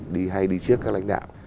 đi hay đi trước các lãnh đạo